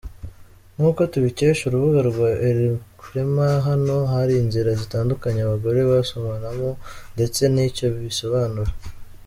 nkuko tubikesha urubuga rwa elcrema hano hari inzira zitandukanye abagore basomanamo ndetse nicyo bisobanura.